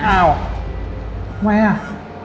อ้าวไงอะ